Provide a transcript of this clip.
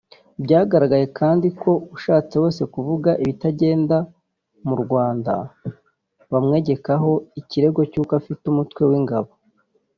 Byagaragaye kandi ko ushatse wese kuvuga ibitagenda mu Rwanda bamwegekaho ikirego cy’uko afite umutwe w’ingabo